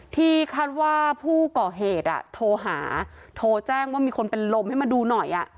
ที่คาดว่าผู้ก่อเหตุโทรหาโทรแจ้งว่ามีคนเป็นลมให้มาดูหน่อย